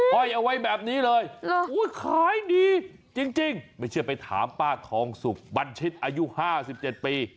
ห้อยเอาไว้แบบนี้เลยขายดีจริงไม่เชื่อไปถามป้าทองสุกบัญชิตอายุ๕๗ปี